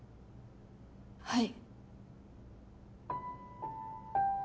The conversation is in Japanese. はい。